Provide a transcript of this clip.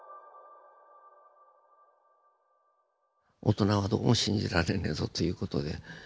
大人はどうも信じられねえぞという事で。